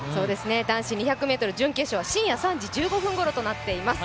男子２００ｍ準決勝は深夜３時１５分ごろとなっています。